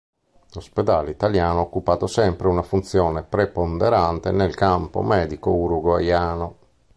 L'ospedale italiano ha occupato sempre una funzione preponderante nel campo medico Uruguaiano.